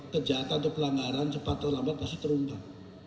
kejahatan atau pelanggaran cepat atau lambat pasti terungkap